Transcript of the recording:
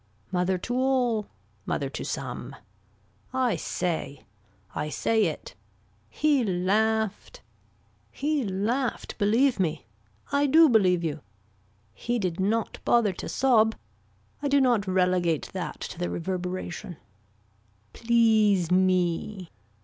Mother to all. Mother to some. I say. I say it. He laughed. He laughed believe me. I do believe you. He did not bother to sob. I do not relegate that to the reverberation. Please me.